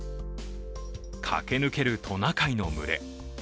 駆け抜けるトナカイの群れ。